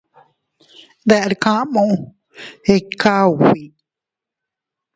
Deʼr kamu, ikka ubi.